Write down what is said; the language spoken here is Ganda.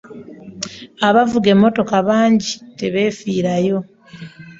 Abavuga mmotoka bangi tebeefirayo.